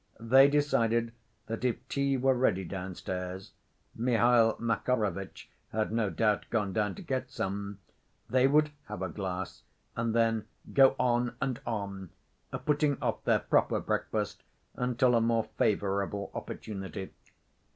They decided that if tea were ready downstairs (Mihail Makarovitch had, no doubt, gone down to get some) they would have a glass and then "go on and on," putting off their proper breakfast until a more favorable opportunity.